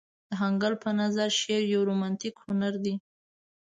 د هګل په نظر شعر يو رومانتيک هنر دى.